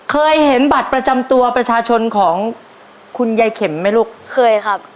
เคยเห็นบัตรประจำตัวประชาชนของคุณยายเข็มไหมลูกเคยครับ